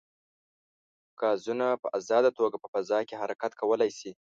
ګازونه په ازاده توګه په فضا کې حرکت کولی شي.